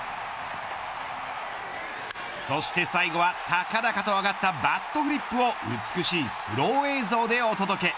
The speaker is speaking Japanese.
そして最後はたかだかと上がったバットフリップを美しいスロー映像でお届け。